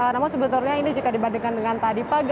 namun sebetulnya ini jika dibandingkan dengan tadi pagi